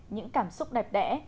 những cảm xúc đẹp đẽ